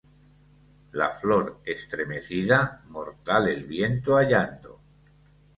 La flor estremecida, mortal el viento hallando